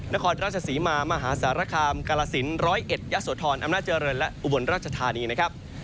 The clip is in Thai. นครราชศรีมามหาสารคามกาลสินร้อยเอ็ดยะโสธรอำนาจเจริญและอุบลราชธานีนะครับ